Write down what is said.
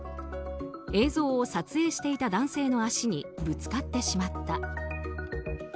映像を撮影していた男性の足にぶつかってしまった。